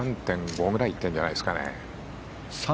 ３．５ぐらい行ってるんじゃないですかね。